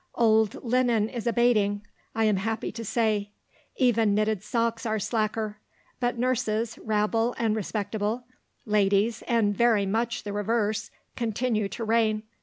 Old linen is abating, I am happy to say; even knitted socks are slacker; but nurses, rabble and respectable, ladies, and very much the reverse, continue to rain.